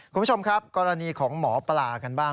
คุณผู้ชมครับกรณีของหมอปลากันบ้าง